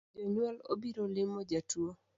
Jonyuol obiro limo jatuo